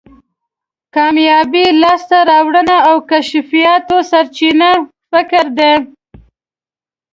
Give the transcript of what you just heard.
کامیابی، لاسته راوړنو او کشفیاتو سرچینه فکر دی.